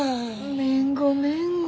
めんごめんご。